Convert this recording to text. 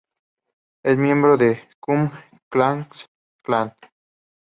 Es miembro del Ku Klux Klan.